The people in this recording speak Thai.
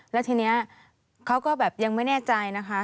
แล้วทีนี้เขาก็แบบยังไม่แน่ใจนะคะ